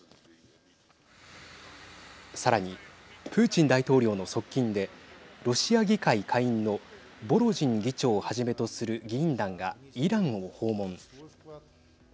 さらに、プーチン大統領の側近でロシア議会下院のボロジン議長をはじめとする議員団がイランを訪問。